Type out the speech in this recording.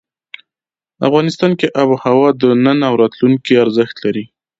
افغانستان کې آب وهوا د نن او راتلونکي ارزښت لري.